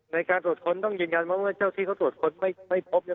ในการตรวจค้นต้องยังยันว่าเจ้าที่เขาตรวจค้นไม่พบนี่